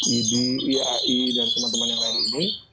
idi iai dan teman teman yang lain ini